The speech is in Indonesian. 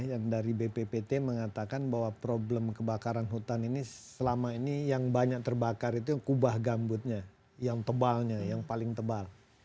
yang dari bppt mengatakan bahwa problem kebakaran hutan ini selama ini yang banyak terbakar itu kubah gambutnya yang tebalnya yang paling tebal